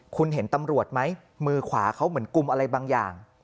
คุณเห็นตำรวจไหมมือขวาเขาเหมือนกุมอะไรบางอย่าง